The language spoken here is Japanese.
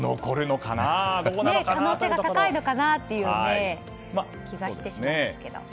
可能性が高いのかなっていう気がしますけど。